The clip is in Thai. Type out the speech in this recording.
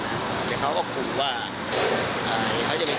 แต่ถ้าอยากจะตีเขาก็ไม่ได้อย่างนี้หรอก